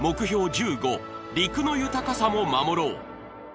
１５「陸の豊かさも守ろう」